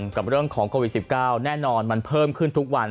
กับเรื่องของโควิด๑๙แน่นอนมันเพิ่มขึ้นทุกวัน